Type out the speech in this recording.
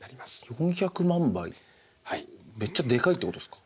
４００万倍めっちゃでかいってことっすか？